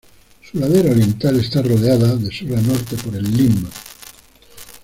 Su ladera oriental está rodeada, de sur a norte, por el Lim.